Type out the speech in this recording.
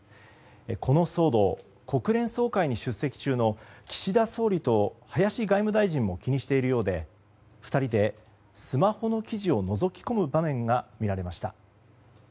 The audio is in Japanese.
この騒動、国連総会に出席中の岸田総理と林外務大臣も気にしているようで２人でスマホの記事をのぞき込む場面が見られました。